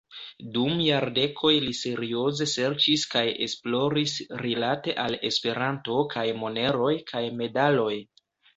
Dum jardekoj li serioze serĉis kaj esploris rilate al Esperanto kaj moneroj kaj medaloj.